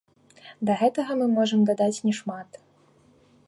Да гэтага мы можам дадаць не шмат.